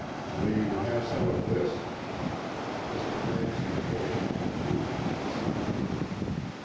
"Will you have some of this?" Mr. Ramsey's voice protruded through the silence.